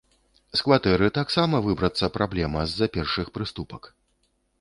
З кватэры таксама выбрацца праблема з-за першых прыступак.